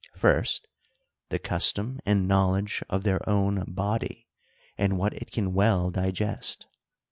First, the custom and knowledge of their own body, and what it can well digest.